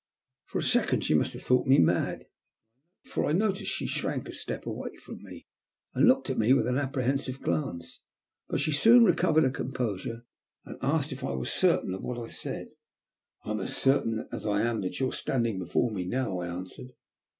For a second she must have thought me mad, for I noticed she shrank a step away from me, and looked at me with an apprehensive glance. But she sooo THE END. 271 recovered her composure, and asked if I were certain of what I said. As certain as I am that yon are standing before me now," I answered.